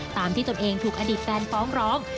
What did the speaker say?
ตามที่ตนเองถูกอดีตแฟนฟ้องร้อง